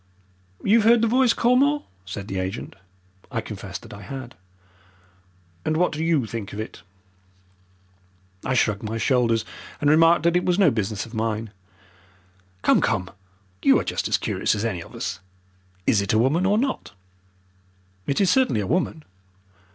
"You've heard the voice, Colmore?" said the agent. I confessed that I had. "And what do YOU think of it?" I shrugged my shoulders, and remarked that it was no business of mine. "Come, come, you are just as curious as any of us. Is it a woman or not?" "It is certainly a woman."